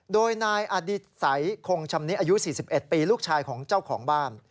โดยนายอดิสัยคงชำนิอายุ๔๑ปีลูกชายของเจ้าของบ้าน